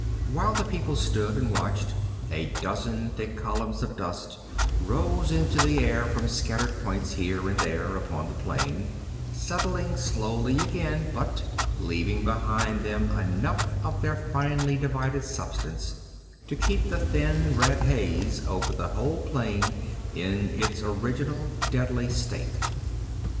While the people stood and watched a dozen thick columns of dust rose into the air from scattered points here and there upon the plain, settling slowly again, but leaving behind them enough of their finely divided substance to keep the thin red haze over the whole plain in its original, deadly state.